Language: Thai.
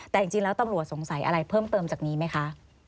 แต่จริงแล้วตำรวจสงสัยอะไรเพิ่มเติมจากนี้ไหมคะ